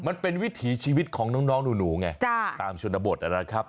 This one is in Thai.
มันเป็นวิถีชีวิตของน้องหนูไงตามชนบทนั่นแหละครับ